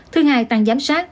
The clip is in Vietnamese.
thứ hai tăng giám sát